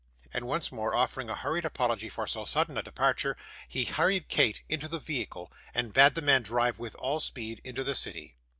And once more offering a hurried apology for so sudden a departure, he hurried Kate into the vehicle, and bade the man drive with all speed into the city.